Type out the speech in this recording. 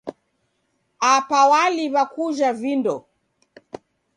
Apa waliwa kujha vindo.